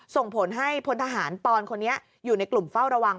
ส่งผลให้พลทหารปอนคนนี้อยู่ในกลุ่มเฝ้าระวัง